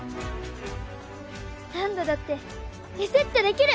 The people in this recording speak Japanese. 何度だってリセットできる！